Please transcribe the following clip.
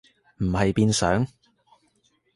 唔係變上？